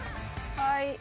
はい。